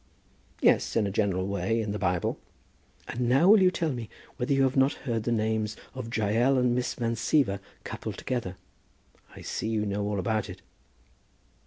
"Yes; in a general way, in the Bible." "And now will you tell me whether you have not heard the names of Jael and Miss Van Siever coupled together? I see you know all about it."